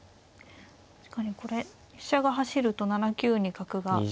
確かにこれ飛車が走ると７九に角が成れるので。